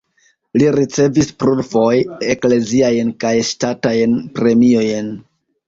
Li ricevis plurfoje ekleziajn kaj ŝtatajn premiojn.